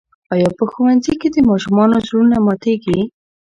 آیا په ښوونځي کې د ماشومانو زړونه ماتېږي؟